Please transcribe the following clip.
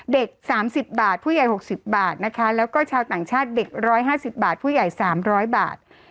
๓๐บาทผู้ใหญ่๖๐บาทนะคะแล้วก็ชาวต่างชาติเด็ก๑๕๐บาทผู้ใหญ่๓๐๐บาท